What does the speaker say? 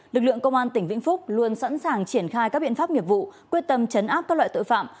lực lượng công an tỉnh vĩnh phúc luôn sẵn sàng triển khai các biện pháp nghiệp vụ quyết tâm chấn áp các loại tội phạm